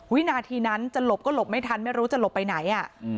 วินาทีนั้นจะหลบก็หลบไม่ทันไม่รู้จะหลบไปไหน